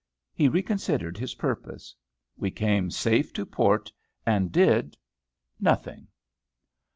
He reconsidered his purpose. We came safe to port and did nothing.